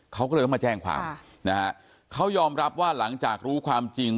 เขาก็เลยต้องมาแจ้งความนะฮะเขายอมรับว่าหลังจากรู้ความจริง